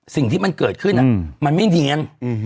สิ่งที่มันเกิดขึ้นมันไม่เนียน